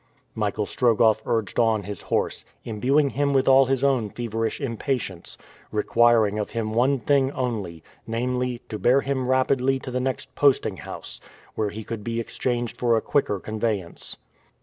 Michael Strogoff urged on his horse, imbuing him with all his own feverish impatience, requiring of him one thing only, namely, to bear him rapidly to the next posting house, where he could be exchanged for a quicker conveyance.